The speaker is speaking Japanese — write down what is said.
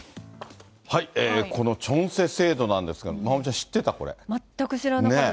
このチョンセ制度なんですが、まおみちゃん、全く知らなかった。